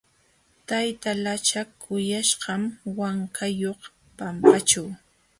Tayta lachak kuyaśhqam wankayuq pampaćhu.